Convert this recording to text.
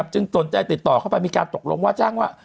สนใจติดต่อเข้าไปมีการตกลงว่าจ้างว่า